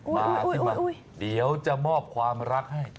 มาสิมาเดี๋ยวจะมอบความรักให้